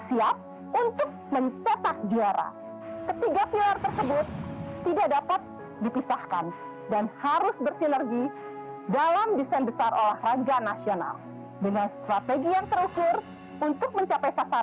itu yang paling penting